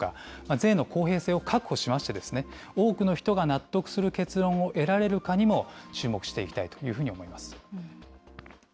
税の公平性を確保しまして、多くの人が納得する結論を得られるかにも、注目していきたいというふうに思います。